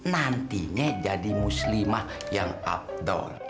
nantinya jadi muslimah yang abdor